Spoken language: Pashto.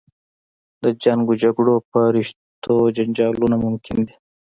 د جنګ و جګړو په رشتو جنجالونه ممکن دي.